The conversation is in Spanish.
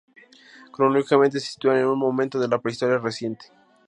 Cronológicamente se sitúan en un momento de la Prehistoria Reciente.